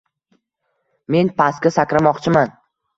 — Men pastga sakramoqchiman.